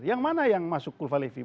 yang mana yang masuk kulfa levis